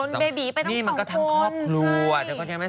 โถนเบบีไปตั้งสองคนนี่มันก็ทั้งครอบครัว